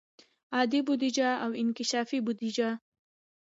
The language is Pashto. عادي بودیجه او انکشافي بودیجه.